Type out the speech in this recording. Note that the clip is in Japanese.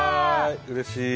うれしい！